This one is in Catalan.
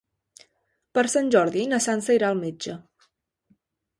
Per Sant Jordi na Sança irà al metge.